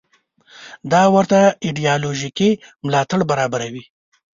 دا ورته ایدیالوژیکي ملاتړ برابروي.